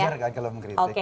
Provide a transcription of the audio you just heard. wajar kan kalau mengkritik